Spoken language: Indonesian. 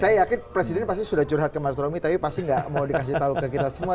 saya yakin presiden pasti sudah curhat ke mas romy tapi pasti nggak mau dikasih tahu ke kita semua